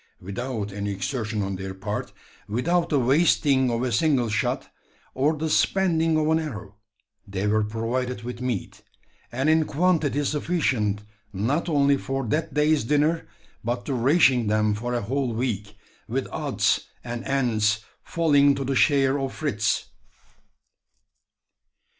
Without any exertion on their part without the wasting of a single shot, or the spending of an arrow, they were provided with meat; and in quantity sufficient, not only for that day's dinner, but to ration them for a whole week, with odds and ends falling to the share of Fritz.